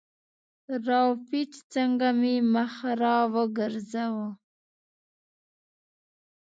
را و پېچ، څنګه مې مخ را وګرځاوه.